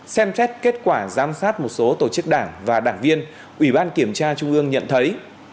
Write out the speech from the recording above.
xem xét kết quả giám sát một số tổ chức đảng và đảng viên ủy ban kiểm tra trung ương nhận thấy